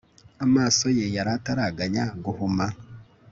amaso ye yari ataraganya guhuma